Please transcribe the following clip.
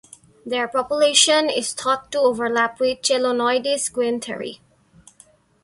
Their population is thought to overlap with "Chelonoidis guentheri".